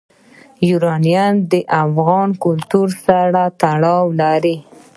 یورانیم د افغان کلتور سره تړاو لري.